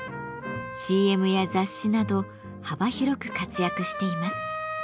ＣＭや雑誌など幅広く活躍しています。